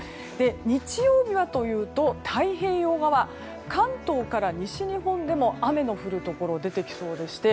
日曜日はというと太平洋側関東から西日本でも雨の降るところ出てきそうでして